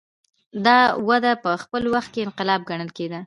دا وده په خپل وخت کې انقلاب ګڼل کېده.